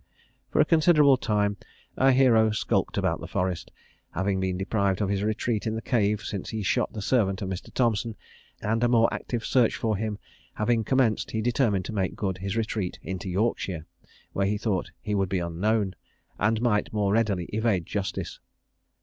For a considerable time our hero skulked about the forest, having been deprived of his retreat in the cave since he shot the servant of Mr. Thompson; and a more active search for him having commenced, he determined to make good his retreat into Yorkshire, where he thought that he would be unknown, and might the more readily evade justice.